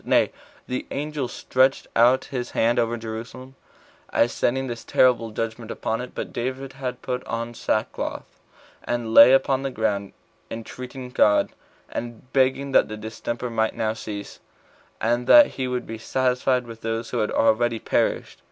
Nay, the angel stretched out his hand over Jerusalem, as sending this terrible judgment upon it. But David had put on sackcloth, and lay upon the ground, entreating God, and begging that the distemper might now cease, and that he would be satisfied with those that had already perished.